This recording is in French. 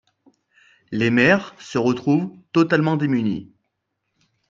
Les maires se retrouvent totalement démunis.